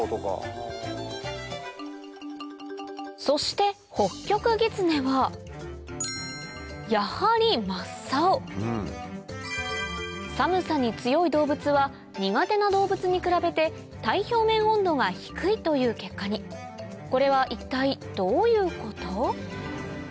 そしてホッキョクギツネはやはり真っ青寒さに強い動物は苦手な動物に比べて体表面温度が低いという結果にこれは一体どういうこと？